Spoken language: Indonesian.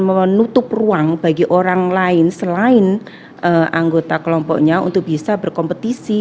menutup ruang bagi orang lain selain anggota kelompoknya untuk bisa berkompetisi